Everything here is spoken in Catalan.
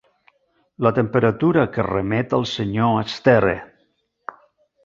La temperatura que remet al senyor Astaire.